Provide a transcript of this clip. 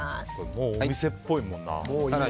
もうお店っぽいもんな。